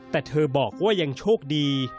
แต่เธอบอกว่ายังโชคดี